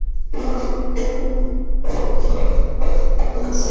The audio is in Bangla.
ওহ, আপনি থাঙ্গারাজ?